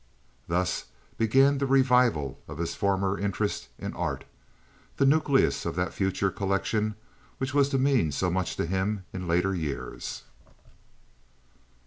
Thus began the revival of his former interest in art; the nucleus of that future collection which was to mean so much to him in later years.